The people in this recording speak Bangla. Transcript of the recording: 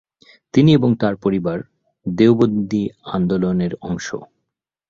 তিনি এবং তার পরিবার দেওবন্দী আন্দোলনের অংশ।